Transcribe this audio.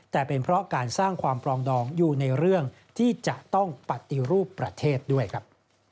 แต่เป็นเพราะการสร้างความปลองดองอยู่ในเรื่องที่จะต้องปฏิรูปประเทศด้วยครับ